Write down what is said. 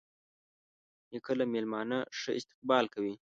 نیکه له میلمانه ښه استقبال کوي.